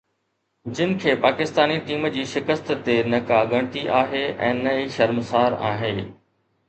جن کي پاڪستاني ٽيم جي شڪست تي نه ڪا ڳڻتي آهي ۽ نه ئي شرمسار آهي.